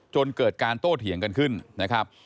จนเกิดการโต้เถียงกันขึ้นนะครับ